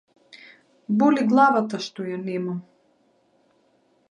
Боли главата што ја немам.